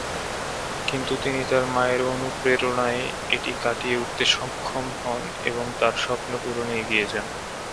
কিন্তু তিনি তার মায়ের অনুপ্রেরণায় এটি কাটিয়ে উঠতে সক্ষম হন এবং তার স্বপ্ন পূরণে এগিয়ে যান।